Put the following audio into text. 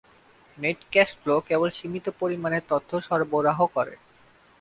Net cash flow কেবল সীমিত পরিমাণে তথ্য সরবরাহ করে।